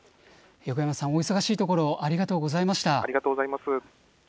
横山さん、お忙しいところありがとうございました。